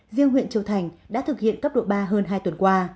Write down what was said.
riêng huyện châu thành đã thực hiện cấp độ ba hơn hai tuần qua